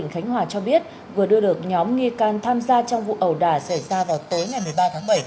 khánh hòa cho biết vừa đưa được nhóm nghi can tham gia trong vụ ẩu đà xảy ra vào tối ngày một mươi ba tháng bảy